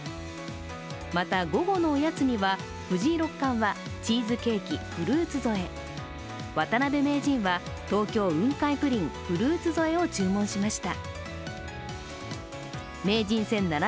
また、午後のおやつには、藤井六冠はチーズケーキ・フルーツ添え、渡辺名人は東京雲海プリンフルーツ添えを注文しました。